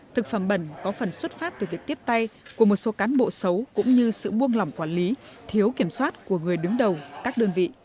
thực phẩm bẩn có phần xuất phát từ việc tiếp tay của một số cán bộ xấu cũng như sự buông lỏng quản lý thiếu kiểm soát của người đứng đầu các đơn vị